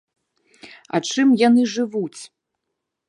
А чым яны жывуць?